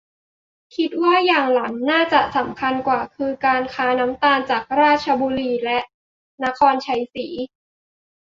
คิดว่าอย่างหลังน่าจะสำคัญกว่า คือการค้าน้ำตาลจากราชบุรีและนครไชยศรี